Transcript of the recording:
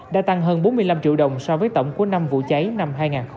đã tăng hơn bốn mươi năm triệu đồng so với tổng của năm vụ cháy năm hai nghìn một mươi tám